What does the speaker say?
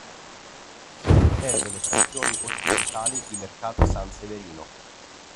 Serve le frazioni occidentali di Mercato San Severino.